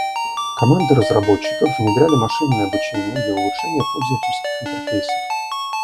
Команды разработчиков внедряли машинное обучение для улучшения пользовательских интерфейсов.